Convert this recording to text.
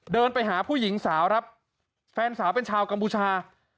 เดินไปหาผู้หญิงสาวครับแฟนสาวเป็นชาวกัมพูชา